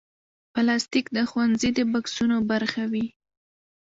پلاستيک د ښوونځي د بکسونو برخه وي.